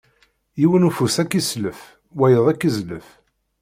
Yiwen ufus ad k-islef, wayeḍ ad k-izlef!